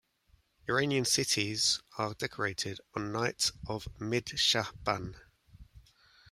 Iranian cities are decorated on night of Mid-Sha'ban.